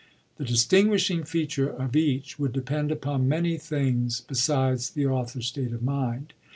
The distinguishing feature of each would depend upon many things besides the author's state of mind.